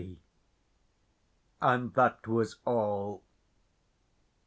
K.' And that was all.